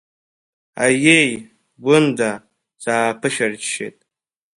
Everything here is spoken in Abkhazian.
Аиеи, Гәында, сааԥышәырччеит.